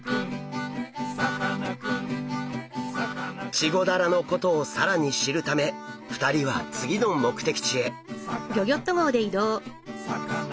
チゴダラのことを更に知るため２人は次の目的地へ。